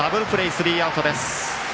スリーアウトです。